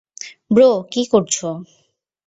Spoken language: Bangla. ব্রো, কী করছো?